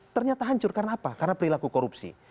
ternyata hancur karena apa karena perilaku korupsi